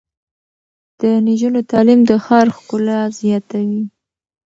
د نجونو تعلیم د ښار ښکلا زیاتوي.